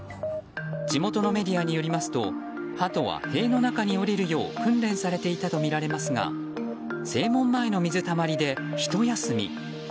地元のメディアによりますとハトは塀の中に下りるよう訓練されていたとみられますが正門前の水たまりで、ひと休み。